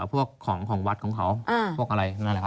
พวกของวัดของเขา